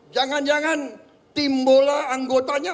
jangan jangan tim bola anggotanya